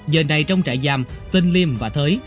giờ này trong trại giam tên liêm và thới